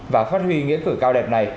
và phát huy nghĩa cử cao đẹp này